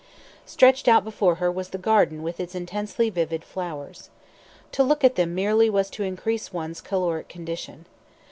Stretched out before her was the garden with its intensely vivid flowers. To look at them merely was to increase one's caloric condition.